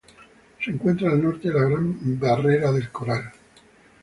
Se encuentra al norte de la Gran Barrera de Coral.